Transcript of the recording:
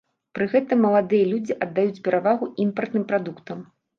Пры гэтым маладыя людзі аддаюць перавагу імпартным прадуктам.